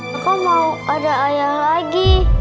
aku mau ada ayah lagi